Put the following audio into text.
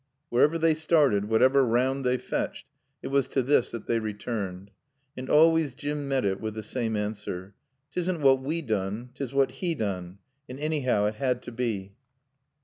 Wherever they started, whatever round they fetched, it was to this that they returned. And always Jim met it with the same answer: "'Tisn' what we doon; 'tis what 'e doon. An' annyhow it had to bae."